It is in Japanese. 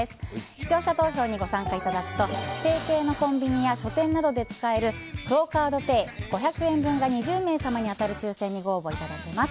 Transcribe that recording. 視聴者投票にご参加いただくと提携のコンビニや書店などで使えるクオ・カードペイ５００円分が２０名様に当たる抽選にご応募いただけます。